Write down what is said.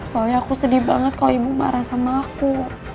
pokoknya aku sedih banget kalau ibu marah sama aku